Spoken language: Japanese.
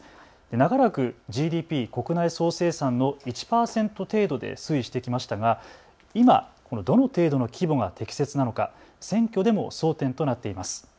長らくＧＤＰ・国内総生産の１％程度で推移してきましたが今、どの程度の規模が適切なのか、選挙でも争点となっています。